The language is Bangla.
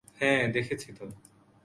হ্যাঁ, দেখেছি তো।